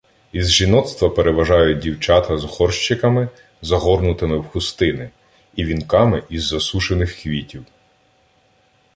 Із жіноцтва переважають дівчата з горщиками, загорнутими в хустини, і вінками із засушених квітів.